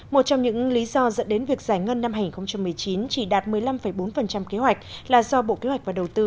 một trong những lý do dẫn đến việc giải ngân năm hai nghìn một mươi chín chỉ đạt một mươi năm bốn kế hoạch là do bộ kế hoạch và đầu tư